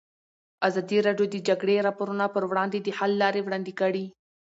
ازادي راډیو د د جګړې راپورونه پر وړاندې د حل لارې وړاندې کړي.